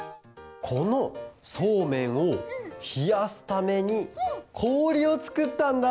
このそうめんをひやすためにこおりをつくったんだ！